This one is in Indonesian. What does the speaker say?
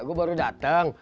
gue baru dateng